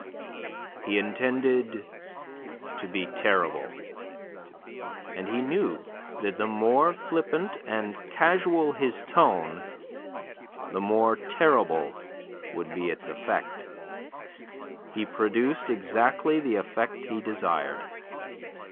He intended to be terrible; and he knew that the more flippant and casual his tone, the more terrible would be its effect. He produced exactly the effect he desired.